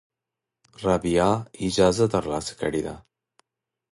رابعه اجازه ترلاسه کړې ده.